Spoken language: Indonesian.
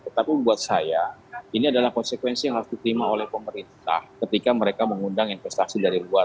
tetapi buat saya ini adalah konsekuensi yang harus diterima oleh pemerintah ketika mereka mengundang investasi dari luar